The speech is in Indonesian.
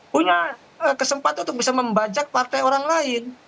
punya kesempatan untuk bisa membajak partai orang lain